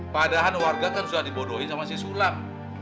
padahal warga kan sudah dibodohin sama si sulam